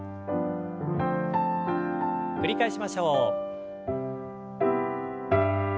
繰り返しましょう。